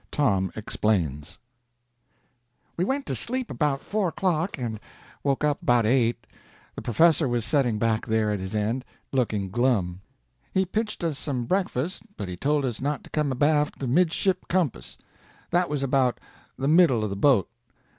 TOM EXPLAINS We went to sleep about four o'clock, and woke up about eight. The professor was setting back there at his end, looking glum. He pitched us some breakfast, but he told us not to come abaft the midship compass. That was about the middle of the boat.